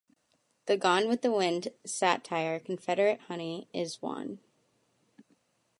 The "Gone With the Wind" satire, "Confederate Honey", is one.